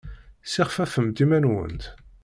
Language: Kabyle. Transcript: Ssixfefemt iman-nwent!